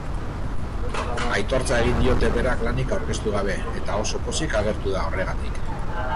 Aitortza egin diote berak lanik aurkeztu gabe eta oso pozik agertu da horregatik.